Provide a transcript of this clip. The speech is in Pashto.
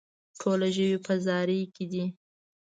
ټوله ژوي په زاري کې دي.